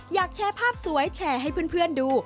อยากแชร์ภาพสวยแชร์ให้เพื่อนดู